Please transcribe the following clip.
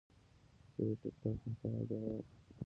زه د ټک ټاک محتوا جوړوم.